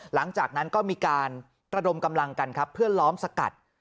หลังจากนั้นก็มีการระดมกำลังกันครับเพื่อล้อมสกัด